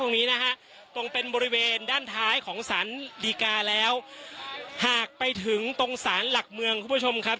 ตรงนี้นะฮะตรงเป็นบริเวณด้านท้ายของสารดีกาแล้วหากไปถึงตรงสารหลักเมืองคุณผู้ชมครับ